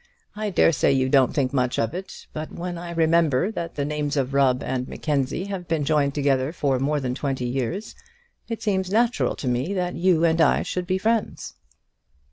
I dare say you don't think much of it, but when I remember that the names of Rubb and Mackenzie have been joined together for more than twenty years, it seems natural to me that you and I should be friends."